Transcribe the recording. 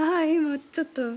ちょっと。